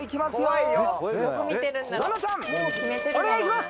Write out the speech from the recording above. お願いします。